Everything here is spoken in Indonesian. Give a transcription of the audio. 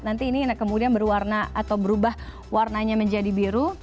nanti ini kemudian berubah warnanya menjadi biru